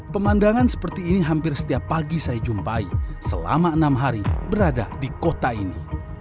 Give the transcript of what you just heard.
pemandangan seperti ini hampir setiap pagi saya jumpai selama enam hari berada di kota ini